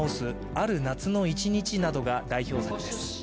「ある夏の一日」などが代表作です。